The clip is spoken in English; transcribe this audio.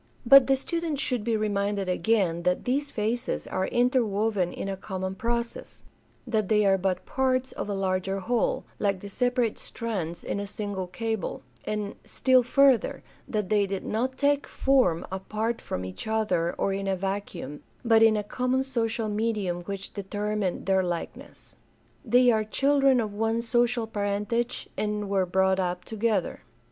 But the student should be reminded again that these phases are interwoven in a common process; that they are but parts of a larger whole, like the separate strands in a single cable; and, still further, that they did not take form apart from each other or in a vacuum, but in a common social medium which determined their likeness. They are children of one social parentage and were brought up together.